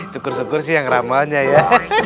syukur syukur sih yang ramainya ya